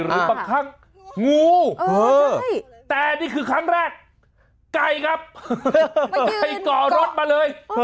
หรือบางครั้งงูแต่นี่คือครั้งแรกไก่ครับไก่ก่อรถมาเลย